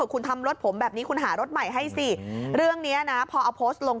คุณทำรถผมแบบนี้คุณหารถใหม่ให้สิเรื่องนี้นะพอเอาโพสต์ลง